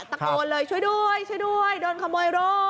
ตะโกนเลยช่วยด้วยช่วยด้วยโดนขโมยโร่